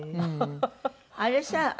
あれさ